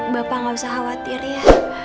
bapak gak usah khawatir ya